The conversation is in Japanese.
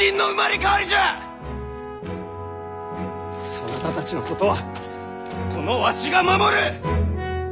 そなたたちのことはこのわしが守る！